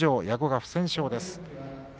矢後が不戦勝です。